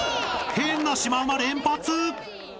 ［変なシマウマ連発！］